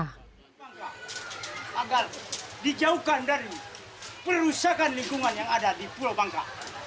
di pulau bangka agar dijauhkan dari perusahaan lingkungan yang ada di pulau bangka